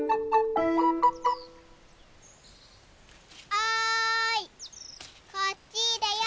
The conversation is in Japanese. おいこっちだよ！